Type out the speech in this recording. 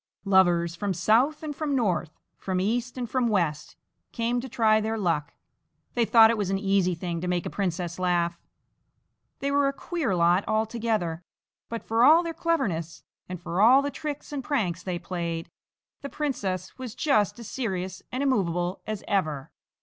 Lovers from south and from north, from east and from west, came to try their luck they thought it was an easy thing to make a princess laugh. They were a queer lot altogether, but for all their cleverness and for all the tricks and pranks they played, the princess was just as serious and immovable as ever.